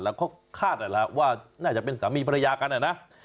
แล้วก็คาดว่าน่าจะเป็นสามีภรรยากันนะ